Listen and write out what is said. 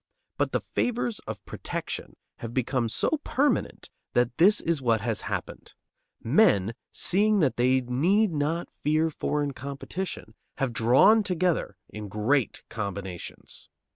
But the favors of protection have become so permanent that this is what has happened: Men, seeing that they need not fear foreign competition, have drawn together in great combinations.